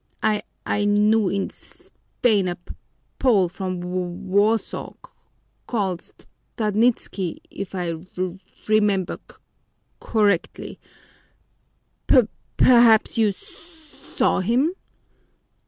"I I knew in S spain a P pole from W warsaw, c called S stadtnitzki, if I r remember c correctly. P perhaps you s saw him?"